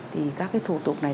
thì các cái thủ tục này